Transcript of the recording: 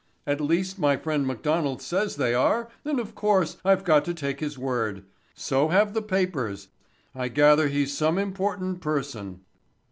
At least my friend McDonald says they are and of course, I've got to take his word. So have the papers. I gather he's some important person."